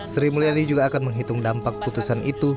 sri mulyani juga akan menghitung dampak putusan itu